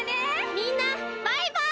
みんなバイバイ！